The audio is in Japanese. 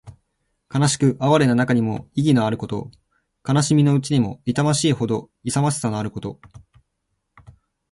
悲しく哀れな中にも意気のあること。悲しみのうちにも痛ましいほどの勇ましさのあること。